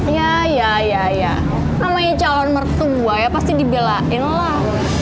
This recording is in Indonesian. ya ya namanya calon mertua ya pasti dibelain lah